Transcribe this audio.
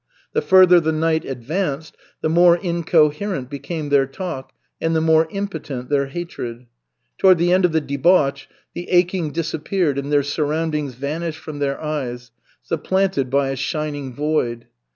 The further the night advanced, the more incoherent became their talk and the more impotent their hatred. Toward the end of the debauch, the aching disappeared and their surroundings vanished from their eyes, supplanted by a shining void.